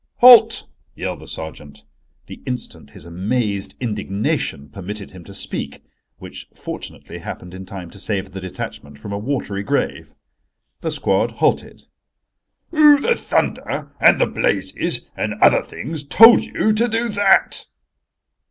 "Halt!" yelled the sergeant, the instant his amazed indignation permitted him to speak, which fortunately happened in time to save the detachment from a watery grave. The squad halted. "Who the thunder, and the blazes, and other things told you to do that?"